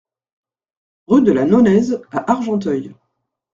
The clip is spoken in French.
Rue de la Nonaise à Argenteuil